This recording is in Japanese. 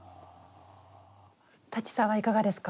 舘さんはいかがですか？